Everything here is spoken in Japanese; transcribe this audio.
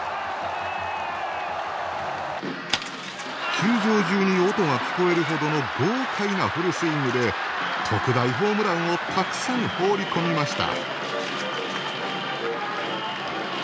球場中に音が聞こえるほどの豪快なフルスイングで特大ホームランをたくさん放り込みました。